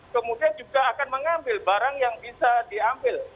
kemudian juga akan mengambil barang yang bisa diambil